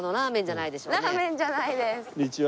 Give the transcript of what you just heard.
こんにちは。